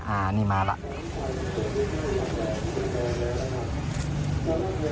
อ่านี่มาแล้ว